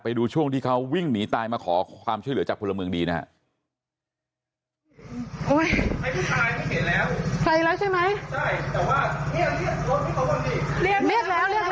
ไปดูช่วงที่เขาวิ่งหนีตายมาขอความช่วยเหลือจากพลเมืองดีนะฮะ